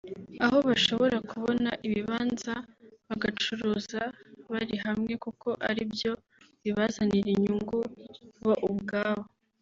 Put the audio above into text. aho bashobora kubona ibibanza bagacuruza bari hamwe kuko ari byo bibazanira inyungu bo ubwabo